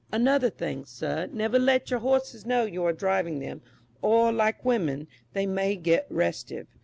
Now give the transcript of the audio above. Another thing, sir, never let your horses know you are driving them, or, like women, they may get restive.